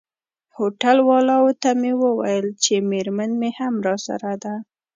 هوټل والاو ته مې وویل چي میرمن مي هم راسره ده.